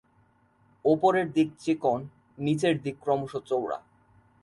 ওপরের দিক চিকন নিচে দিক ক্রমশ চওড়া।